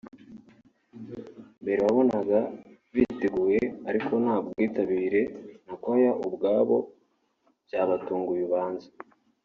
Mbere wabonaga biteguye ariko nta bwitabire na choirs ubwabo byabatunguye ubanza